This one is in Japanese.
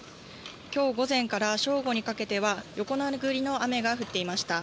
きょう午前から正午にかけては横殴りの雨が降っていました。